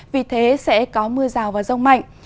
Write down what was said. vì thế sẽ có mưa rào và rông mạnh